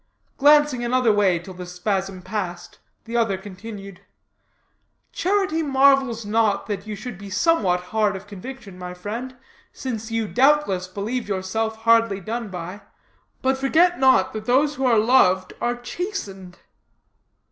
Glancing another way till the spasm passed, the other continued: "Charity marvels not that you should be somewhat hard of conviction, my friend, since you, doubtless, believe yourself hardly dealt by; but forget not that those who are loved are chastened."